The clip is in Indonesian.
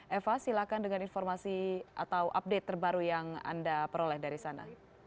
eva silakan dengan informasi atau update terbaru yang anda peroleh dari sana